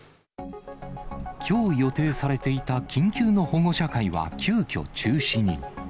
きょう予定されていた緊急の保護者会は急きょ中止に。